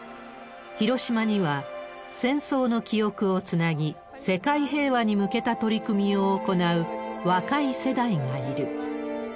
広島には、戦争の記憶をつなぎ、世界平和に向けた取り組みを行う若い世代がいる。